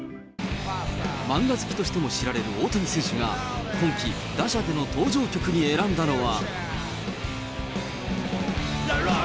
漫画好きとしても知られる大谷選手が今季、打者での登場曲に選んだのは。